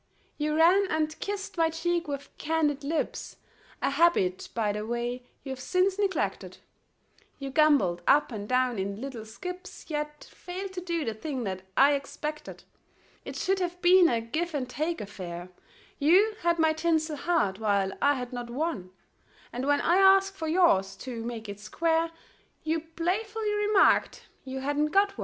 You ran and kissed my cheek with candied lips, A habit, by the way, you've since neglected ; You gambolled up and down in little skips, Yet failed to do the thing that I expected. It should have been a give and take affair; You had my tinsel heart, while I had not one, And when I asked for yours, to make it square, You playfully remarked you hadn't got one.